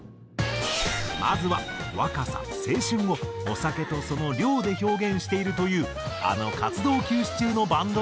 まずは「若さ」「青春」をお酒とその量で表現しているというあの活動休止中のバンドの名曲。